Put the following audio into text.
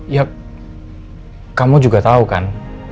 ya kamu juga tahu kan